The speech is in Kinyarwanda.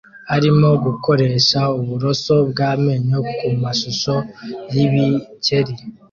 arimo gukoresha uburoso bwamenyo kumashusho yibikeri